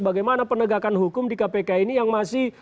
bagaimana penegakan hukum di kpk ini yang masih